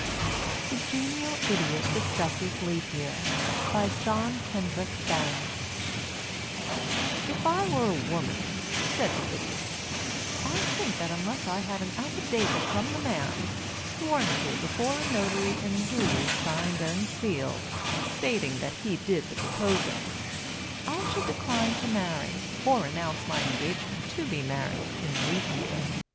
THE GENIAL IDIOT DISCUSSES LEAP YEAR BY JOHN KENDRICK BANGS "If I were a woman," said the Idiot, "I think that unless I had an affidavit from the man, sworn to before a notary and duly signed and sealed, stating that he did the proposing, I should decline to marry, or announce my engagement to be married in Leap Year.